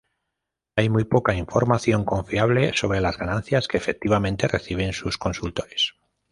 Hay muy poca información confiable sobre las ganancias que efectivamente reciben sus consultores.